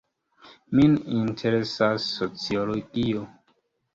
Min interesas sociologio.